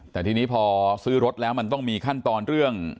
แต่ทีนี้พอซื้อรถแล้วมันต้องมีขั้นตอนเรื่อง